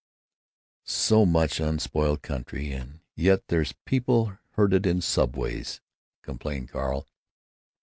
"So much unspoiled country, and yet there's people herded in subways!" complained Carl.